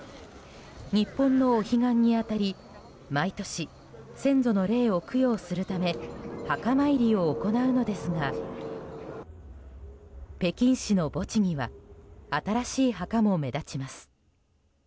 日本のお彼岸に当たり毎年、先祖の霊を供養するため墓参りを行うのですが北京市の墓地には新しい墓も目立ちます。